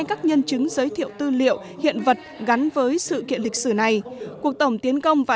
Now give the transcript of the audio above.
các nhân chứng giới thiệu tư liệu hiện vật gắn với sự kiện lịch sử này cuộc tổng tiến công và